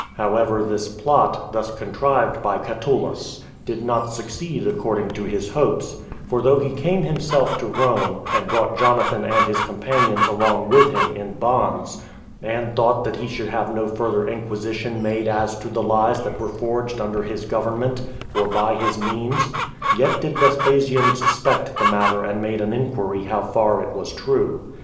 However, this plot, thus contrived by Catullus, did not succeed according to his hopes; for though he came himself to Rome, and brought Jonathan and his companions along with him in bonds, and thought he should have had no further inquisition made as to those lies that were forged under his government, or by his means; yet did Vespasian suspect the matter and made an inquiry how far it was true.